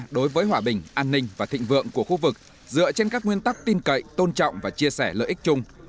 đối với hòa bình an ninh và thịnh vượng của khu vực dựa trên các nguyên tắc tin cậy tôn trọng và chia sẻ lợi ích chung